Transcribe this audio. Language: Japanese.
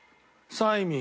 サイミン？